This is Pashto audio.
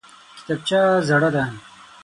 کتابچه زړه ده!